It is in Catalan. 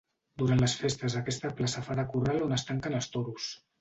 Durant les festes aquesta plaça fa de corral on es tanquen els toros.